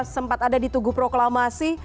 sempat ada ditugu proklamasi